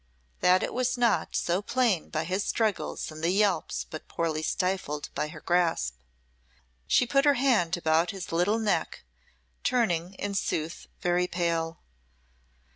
That it was not so was plain by his struggles and the yelps but poorly stifled by her grasp. She put her hand about his little neck, turning, in sooth, very pale.